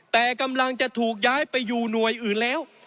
แต่กำลังจะถูกย้ายไปอยู่หน่วยอื่นแล้ว